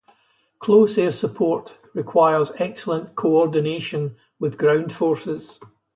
Close air support requires excellent coordination with ground forces.